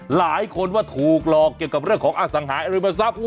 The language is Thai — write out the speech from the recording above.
หลายคนว่าถูกหลอกเกี่ยวกับเรื่องของอสังหาริมทรัพย์